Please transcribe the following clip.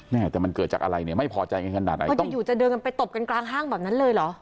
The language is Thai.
แต่มันเกิดจากอะไรเนี่ยไม่พอใจกันขนาดไหนก็จะอยู่จะเดินกันไปตบกันกลางห้างแบบนั้นเลยเหรอ